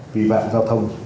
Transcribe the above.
vi phạm giao thông